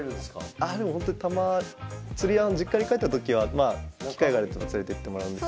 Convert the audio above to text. ああでもほんとにたま釣りは実家に帰った時は機会があるときに連れてってもらうんですけど。